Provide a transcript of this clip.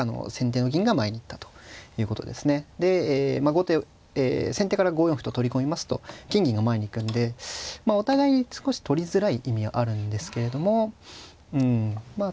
後手先手から５四歩と取り込みますと金銀が前に行くんでお互いに少し取りづらい意味はあるんですけれどもうんまあ